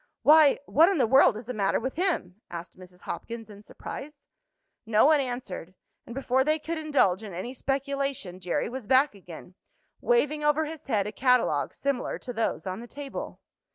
"Why! what in the world is the matter with him?" asked Mrs. Hopkins in surprise. No one answered, and before they could indulge in any speculation Jerry was back again, waving over his head a catalogue similar to those on the table.